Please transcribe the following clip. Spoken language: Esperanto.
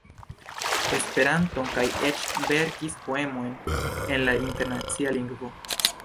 Esperanton, kaj eĉ verkis poemojn en la Internacia Lingvo.